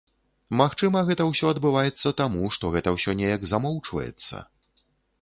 Магчыма, гэта ўсё адбываецца таму, што гэта ўсё неяк замоўчваецца.